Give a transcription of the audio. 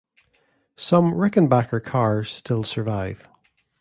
Some Rickenbacker cars still survive.